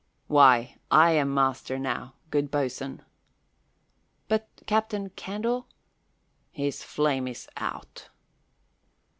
"Why, I am master now, good boatswain." "But Captain Candle " "His flame is out."